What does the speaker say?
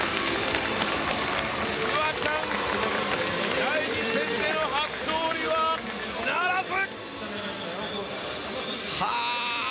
フワちゃん、第２戦での初勝利はならず！